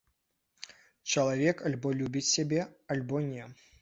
Чалавек альбо любіць сябе, альбо не.